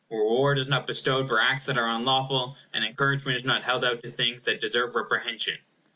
Reward is not bestowed for acts that are unlawful; and encouragement is not held out to things that deserve reprehension.